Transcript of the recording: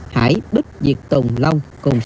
hải bích việt tùng long